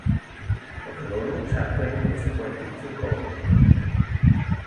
A colonial chaplain was appointed to a colony.